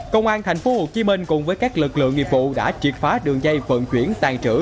công an thành phố hồ chí minh cùng với các lực lượng nghiệp vụ đã triệt phá đường dây vận chuyển tàn trữ